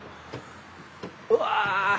うわ！